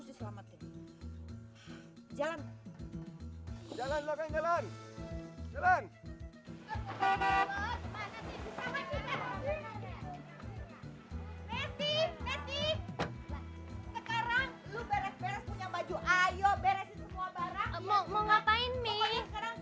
sebagai husband dan sebagai family head